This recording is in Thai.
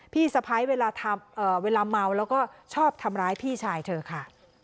พี่สะพ้ายเวลาเมาแล้วก็ชอบทำร้ายพี่ชายเธอค่ะ